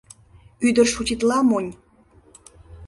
Ӱдыр шутитла, монь.